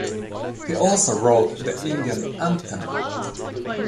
He also wrote the Indian anthem.